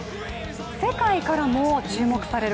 世界からも注目される